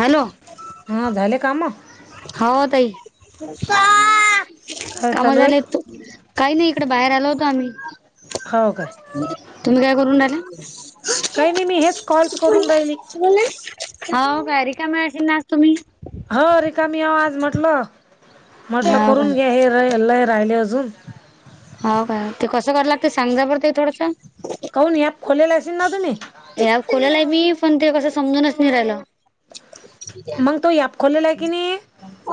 Hello हा झाले का म हो ताई काय काम चालू आहे झाले तु काही नाही इकडं बाहेर आल होत आम्ही हो काय तुम्ही काय करून ले काही नाही मी हेच कॉल्स करून राहिली हो काय रिकामी अशी आज तुम्ही हो रिकामीी आ आज म्हटलं म्हटलं हाव काय करून घ्या हे ल राहिले अजून हो काय ते कं करा लागते सांगा बर ते थोडसं काऊन खोलेल अशी न तुम्ही या कोोलाला आहे मी पण ते कसं समजूनच नाही राहिला मग तो याप खोलेला आहे की नाही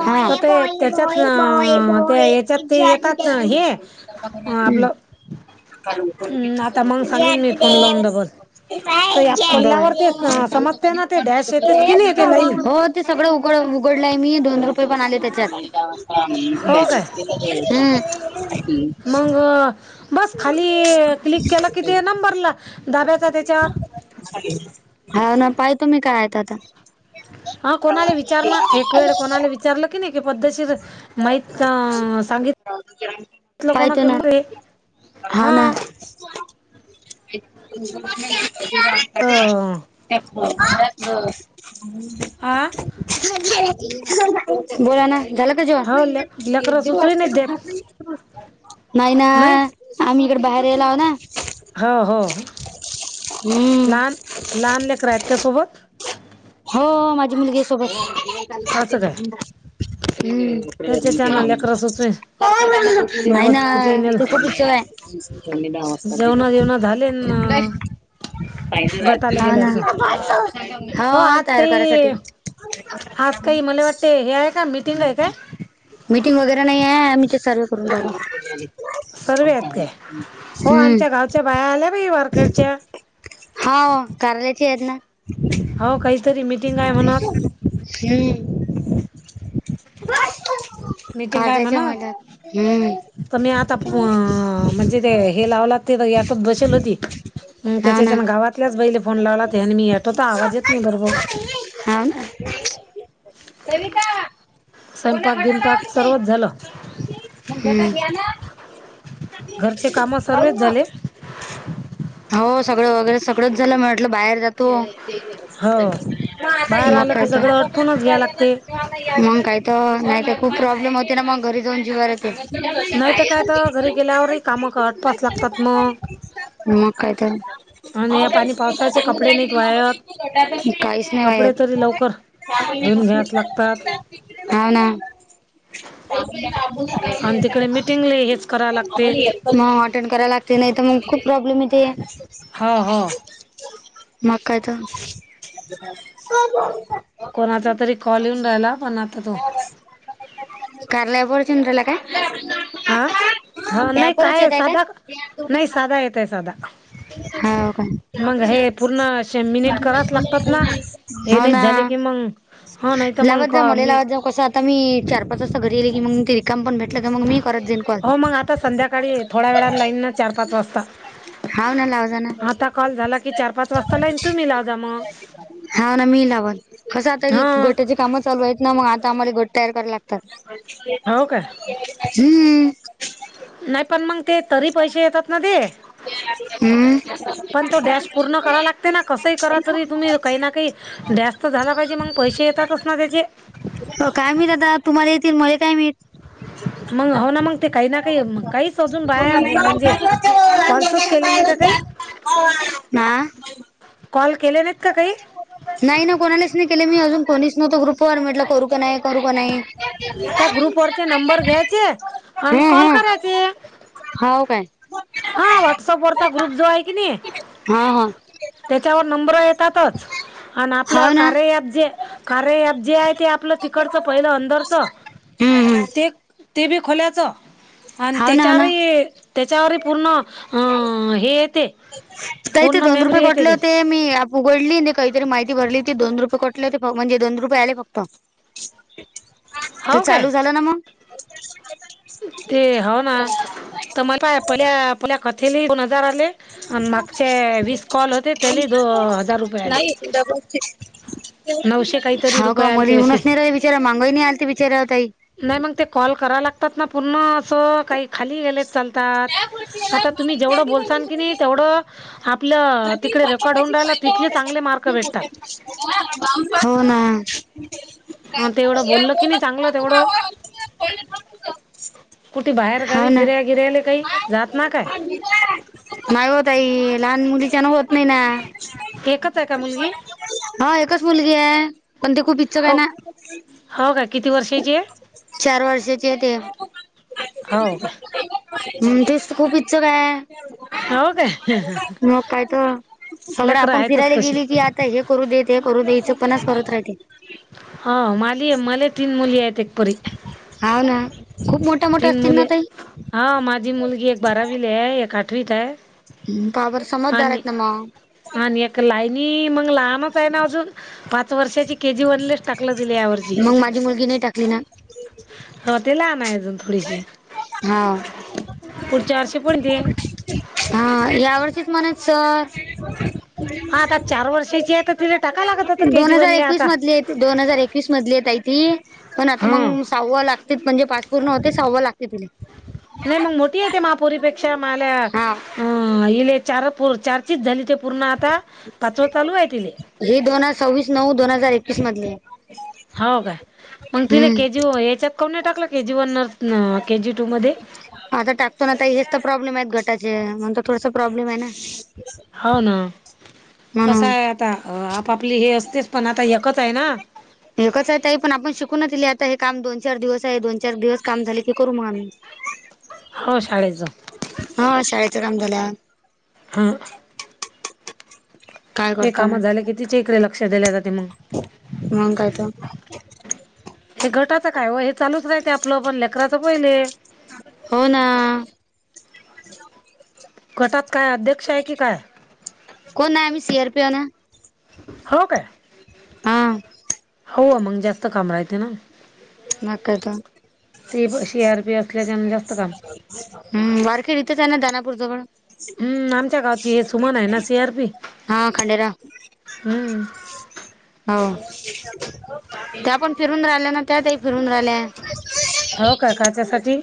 हा तर ते त्याच्यात अ ते याच्यात ते येतात ना हे हम्म आपलं अं, आता मग सांगेन मी फोन लावून डबल तो ॲप काय बर खोलल्यावर ते अं, समजते ना ते डॅश येतेच की नाही ते लाईन हो ते सगळं उघड उघडलंय मी दोन रुपये पण आले त्याच्यात हो काय हु़ मग बस खाली क्लिक केला की ते नंबरला धाब्याचा त्याच्या हा ना पाहि तुमी काय आ आता हा कोणाला विचार ना एक वेळ कोणाला विचार विचारलं की नाही पद्धतशीर माहित सांगित लोकांना पाहतो कि ना रे हाव हा ना तर आं बोला ना झालं का जेवण हो ले लेकरं सुचवी नाही देत नाही ना नाही आम्ही इकड बाहेर येला आो ना हो हो हम्म लहान लहान लेकरा आहेत का सोबत हो माझी मुलगी सोबत असं काय हम्म त्याच्याच्यानं लेकरं सुचवी नाही ना सोबत कुठे नेलं तस आहे जेवणं जेवणं झाले न तिचं गटाला हा गेले ना असं हा हो आज तयार करायसाठी काही आज काही मला वाटते हे आहे का मीटिंग आहे काय मीटिंग वगैरे नाही आहे आमी ते सर्वे करून राहिलो सर्व आहेत काय हो हम्म आमच्या गावच्या बाया आल्या बाई वारखेडच्या हाव कारल्याचे आहेत न हो काहीतरी मिीटिंग आहे म्हणत हम्म मीटिंग आहे कारल्याच्या महिला म्हणत हम्म तर मी आता म्हणजे ते हे लावला ते याटत बसेल होती हाव ना त्याच्या गावातल्याच बैले फोन लावलात आणि मी हटवता आवाज येत नाही बरोबर हा ना सरिता स्वयंपाक गिंपाक सर्वच झालं ह घरचे काम सर्वच झाले हो सगळं वगैरे सगळंच झालं म्हटलं बाहेर जातो हो बाहेर आलं की मकाता सगळं अटपूनच घ्या लागते मग काही तर नाही तर खूप प्रॉब्लेम होते ना मग घरी जाऊन जीवा नाही तर काय तर घरी गेल्यावरही काम आठवावे लागतात न म काैद या पाणी पावसाचे कपडे नाहीत वाळत काहीच नाही कपडे तरी लवकर धुवून वात घ्यायच लागतात अवना आणि तिकडे मिटिंगले हेच करावं लागते आम्हालाेत मग अटेंड करायला लागते नाही तर मग खूप प्रॉब्लेम येते हो हो मका द कोणाचा तरी कॉल येऊन राहिला पण तो कारला पड चिन्र ला काा हह त्यापूरच येत आहे का नाही साधा येत आहे साधा हाव मग काय हे पूर्ण शे मिनिट करावच लागतात ना हे हो नाहीच ना झाले की मग हो नाही तर मग लावत क जा मले मी लावत कसं आता मी चार पाच असता घरी गेले की मग रिकाम पण भेटलं का मग मी करत जाईन कॉल हो मग आता संध्याकाळी थोड्या वेळानं लाईन ना चार पाच वाजता होव न लावज ना आता कॉल झाला की चार पाच वाजता लाईन तुम्ही लावजा मग हा ना मी लावल कसं आता क हां गोट्याचे कामच चालू येत ना मग आता आम्हाला गोट तयार कराला लागतात हो काय हम्म नाही पण मग ते तरी पैसे येतात ना ते हम्म पण तो डॅश पूर्ण करा लागते ना कसही करा तरी तुम्ही काही ना काही जास्त झाला पाहिजे मग पैसे येतातच ना त्याचे हो काय मिळत आता तुम्हाला येतील म काय मिळत मग हो ना मग ते काही ना काही काहीच अजून बाया म्हणजे कॉल्सच केले नाही का का हा कॉल केले नाहीत काही नाही ना कोणालाच नाही केले मी अजून कोणीच नव्हतो ग्रुपवर म्हटलं करू का नाही करू का नाही त्या ग्रुप ववररचे नंबर घ्यायचे आणि कॉल करायचे होव काय हा व्हॉट्सअप वरचा ग्रुप जो आहे की नाही हा हा त्याच्यावर नंबर य आपलं हाव ना कार कार जे ते आपलं तिकडचं पहिलं अंदरच हम्म हम्म ते ते बी खोल्याचं आणि हाव ना हाव ना त्याच्यावरही त्याच्यावरही पूर्ण अ हे येते का ते पूर्ण दोन रुपये मेमरी येते गटले त्याची होते मी उघडली काहीतरी माहिती भरली ती दोन रुपये कटले ते म्हणजे दोन रुपये आले फक्त तर हो काय चालू झालं ना मग ते हो ना तर मला पाय प आपल्या कथेला दोन हजार आले आणि मागचे वीस कॉल होते त्याला दोन हजार रुपये आले नऊशे काहीतरी हाव का रुपये आले मला ते असे येऊनच नाही रा बिचारा मांगाई नाही आल त बिचाराताई नाही मग ते कॉल कराव लागतात ना पूर्ण असं काही खाली गेले चालतात आता तुम्ही जेवढं बोलताल की नाही तेवढं आपलं तिकडे रेकॉर्ड होऊन राहिला तिथले चांगले मार्क भेटतात हो ना हा तेवढं बोललं की नाही चांगलं तेवढं कुठे बाहेर हाव गावी ना फिर्या गिरा्याले काही जात ना काय नाही होतई लहान मुलीच्या ना होत नाही ना एकच आहे का मुलगी हा एकच मुलगी आहे पण ते खूप इच्छुकय हो ना हो का किती वर्षाची आहे चार वर्षाची ते हो का तेच खूप इच्छ काय हो काय मग काय तर सगळं लेकरं आपण आहेतच फिरायला तशी गेली की आता हे करू देते करू द्यायचं पणच करत राहते हा माली आहे मले तीन मुली आहेत एक परी हा ना खूप मोठ तीन मुली हा माझी मुलगी एक बारावीले आहे एक आठवीत आहे बाबर समजदार आणि आहेतेत नाम आणि एक लाईनी मग लहानच आहे ना अजून पाच वर्षाची के जी वनली टाकलं दिले यावरची मग माझी मुलगी नाही टाकली ना ते लहान अजून थोडीशी हा पुढच्या वर्षी पण ते हा या वर्षीच म्हनात सर हा आता चार वर्षाची आहे तर तिला टाका लागत होतं के दोन जी हजार वनले एकवीस आता मधले दोन हजार एकवीस मधले येत ती पण आता हा. मग सहावा लागते म्हणजे पास पूर्ण होते सहावा लागते तिला नाही मग मोठी येते महापुरीपेक्षा मला हा अ इले चार पो चारचीच झाली ते पूर्ण आता पाचवा चालू आहे तिथ हेी दोन हजार सव्वीस नऊ दोन हजार एकवीस मधली आहे हो काय मग तिला हम्म के जी याच्यात कने टाकला के जी वन न केजी टू मध्ये आता टाकतो ना आ हेच तर प्रॉब्लेम आहेत गटाचे म्हण थोडस प्रॉब्लेम आहे ना हो ना कस म्हणून आहे आता आपपली हे असतेच पण आता एककच आहे ना एकच आहे आहे पण आपण शिकू ना तिले आता हे काम दोन चार दिवस आहे दोन चार दिवस काम झाले ते करू मग आम्ही हो शाळेचं हा शाळेचे काम झाल्या ह काय हे करता काम मग झाले कितीिचे इकडे लक्षात दिल्या जाते मग म कायत हे घटाचं काय व हे चालूच राहते आपलं पण लेकराच पहिले होना गटात काय अध्यक्ष आहे की काय कोण नामही सियार पिव ना हो काय हा हो मग जास्त काम राहते ना मग काय तर सेप शेया रुपये असल्याच्यान जास्त काम हम् वारखेरीथं त्यांना दानापूरचं पण हम्म आमच्या गावची हे सुमन आहे ना सी आरपी हा खंडेराव हम्म हो त्या आपण फिरून राहिल्या ना त्यातही फिरून राहिल्या हो का काच्यासाठी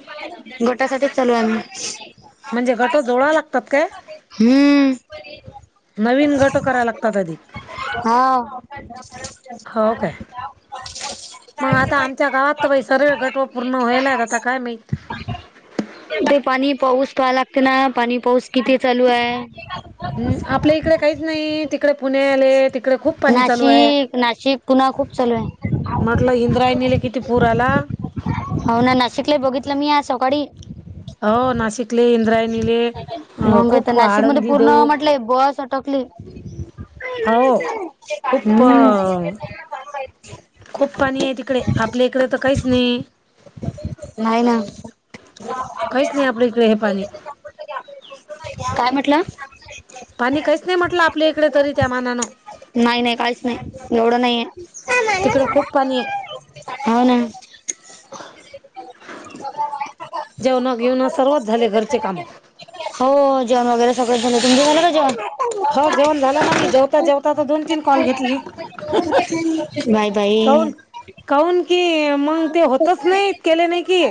गोटासाठीठीच चालू आहे आम्ही म्हणजे गट जोडा लागतात काय हम नवीन गट कराय लागतात अधिक हा दी हो काय मग आता आमच्या गावात तर सर्व गटव पूर्ण व्हाला आहेत आता काय माहिती ते पाणी पाऊस प लागतं ना पाणी पाऊस किती चालू आहे हम् आपल्या इकडे काहीच नाही तिकडे पुणे आले त इकडे खूप पाणी चालू आहे नाशिक नाशिक पुन्हा खूप चालू आहे म्हटलं इंद्रायणीला किती पूर आला हो ना नाशिकला बघितलं मी आज सकाळी हो नाशिकले इंद्रायणीले अ मग आता खूप नाशिक मध्ये आळंदी पूर्ण देऊ बस अटकली हो खूप हम ह खूप पाणी आहे तिकडे आपल्या इकडे तर काहीच नाही नाही ना रेहपाणी काय म्हटलं पाणी काहीच नाही म्हटलं आपल्या इकडे तरी त्या मानानं नाही नाही काहीच नाही एवढं नाहीये तिकडे खूप पाणी होना जेवण घेवण सर्वच झाले घरचे कामे हो जेण वगैरे सगळं झालं तुमचं झालं का ज हो जेवण झालं ना जेवता जेवता तर दोन तीन कॉल घेतली बाय बाई. काऊन काऊन की मंग ते होतच नाहीत केले नाही कि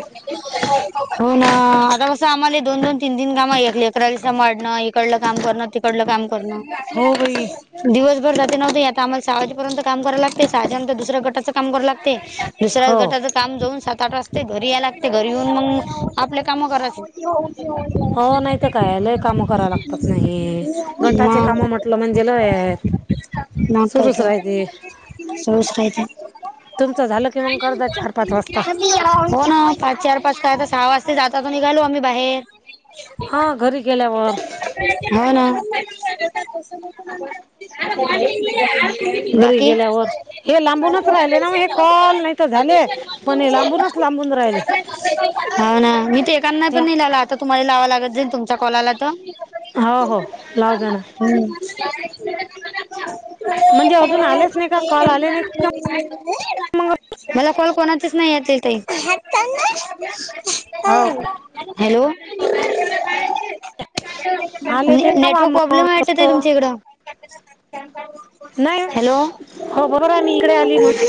हो ना आता कस आम्हाला दोन दोन तीन तीन काम एकरा दिसा वाढणं इकडलं काम करणं तिकडलं काम करणं हो बाई दिवसभर जाते नव्हते आता आम्हाला सहा वाजेपर्यंत काम करा लागते सहाजनंतर दुसऱ्या गटाचं कामरावं लागते. दुसऱ्या हो गटाचं काम जाऊन सात आठ वाजते घरी यायला लागते घरी येऊन मग आपले कामं करायचं. हो नाही तर काय लय कामं कराव ह त म्हणजेला आहेत न सुरूच कायतो राहते सस रा येत. तुमचं झालं कि मग कर द चार पाच वाजता. हो ना पाच चार पाच काय तर सहा वाजता जाताात निघालू आम्ही बाहेर हा घरी गेल्यावर हा ना घरी बाकी? गेल्यावर हे लांबूनच राहिले ना म हे. ल नाही तर झाले पण हे लांबूनच लांबून राहिले. हो ना मी ते एकाांना पण या नाही लाला आता तुम्हाला लावां लागत जाईल तुमच्या कॉला तर हो हो लाव जाण हम्म. म्हणजे अजून आलेच नाही का कॉल आले नाहीत का ह. मग मला कोल कोणातच नाही यतील त हो हॅलो. आले ते लावा नेटवर्क प्रॉब्लेम मग वातत आहे कसं तुमच्या इकडं. नाही हॅलो हो. बरोबर आहे मी इकडे आली म्हणून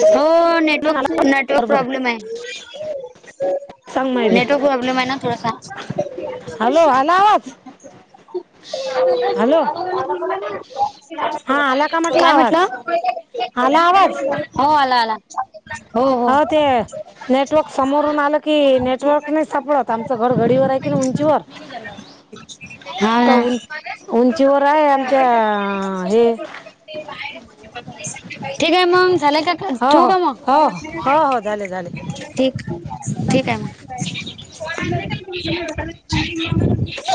आला नेटवक नेटवर्क बरोबर प्रॉब्लेम आहे. सांग माय बाई नेटवर्क प्रॉब्लेम आहे ना थोडासा ह्. काय म्हटलं हलावा हो आला आला. हो ते नेटवर्क समोरून आलं की नेटवर्क नाही सापडत आमचं घर घडीवर आहे की नाही उंचीवर हा तर ना उं उंचीवर आहे आमच्या हे ठीक आहे मग झालं का? ो हो हो कामा. हो हो हो झाले झाले ठीक ठीक आहे मग